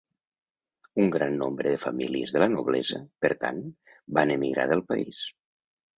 Un gran nombre de famílies de la noblesa, per tant, van emigrar del país.